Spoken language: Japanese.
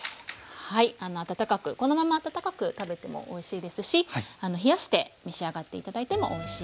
はい温かくこのまま温かく食べてもおいしいですし冷やして召し上がって頂いてもおいしいです。